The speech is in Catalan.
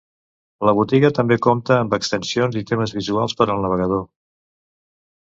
La botiga també compte amb extensions i temes visuals per al navegador.